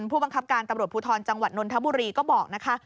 ผู้บังคับการตำรวจภูทรจังหวัดนนทบุรีก็บอกนะคะ